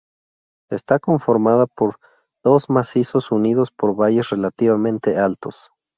Está conformada por dos macizos unidos por valles relativamente altos.